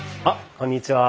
こんにちは。